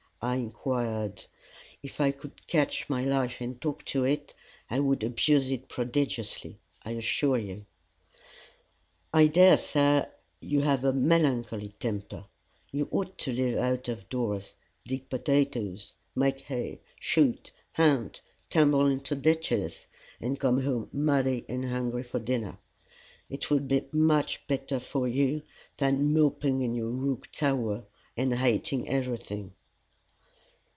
I inquired. "If I could catch my life and talk to it, I would abuse it prodigiously, I assure you." "I dare say. You have a melancholy temper. You ought to live out of doors, dig potatoes; make hay, shoot, hunt, tumble into ditches, and come home muddy and hungry for dinner. It would be much better for you than moping in your rook tower and hating everything."